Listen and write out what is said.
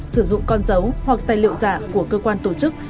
sử dụng con dấu hoặc tài liệu giả của cơ quan tổ chức